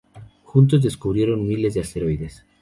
Juntos descubrieron miles de asteroides.